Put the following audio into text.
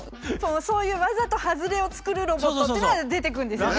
そういうわざと外れを作るロボットっていうのは出てくるんですよね。